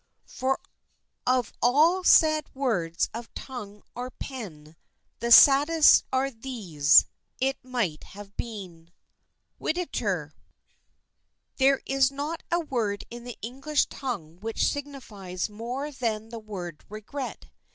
] "For of all sad words of tongue or pen, The saddest are these, 'It might have been.'" —WHITTIER. There is not a word in the English tongue which signifies more than the word regret.